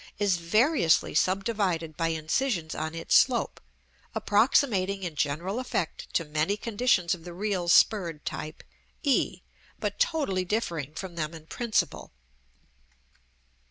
is variously subdivided by incisions on its slope, approximating in general effect to many conditions of the real spurred type, e, but totally differing from them in principle.